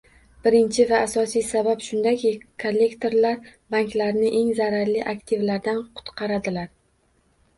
Birinchi va asosiy sabab shundaki, kollektorlar banklarni eng zararli aktivlardan qutqaradilar